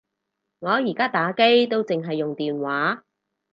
我而家打機都剩係用電話